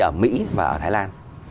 ở mỹ và ở thái lan